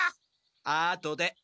あとで。